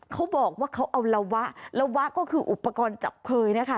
เขาบอกว่าเขาเอาละวะระวะก็คืออุปกรณ์จับเผยนะคะ